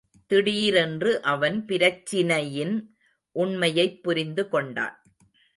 திடீரென்று அவன் பிரச்சினையின் உண்மையைப் புரிந்து கொண்டான்.